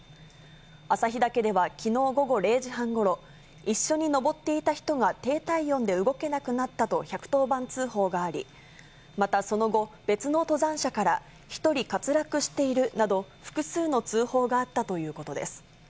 朝日岳ではきのう午後０時半ごろ、一緒に登っていた人が低体温で動けなくなったと１１０番通報があり、またその後、別の登山者から１人滑落しているなど、複数の通報があったということです。